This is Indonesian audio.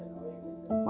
sudah dikasih kesembuhan